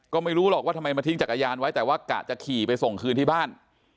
ก็ไม่รู้หรอกว่าทำไมมาทิ้งจักรยานไว้แต่ว่ากะจะขี่ไปส่งคืนที่บ้าน